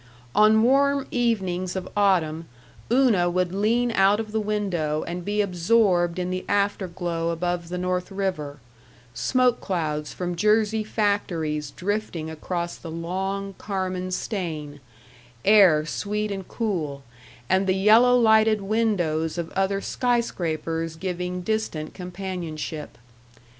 On warm evenings of autumn Una would lean out of the window and be absorbed in the afterglow above the North River: smoke clouds from Jersey factories drifting across the long, carmine stain, air sweet and cool, and the yellow lighted windows of other skyscrapers giving distant companionship.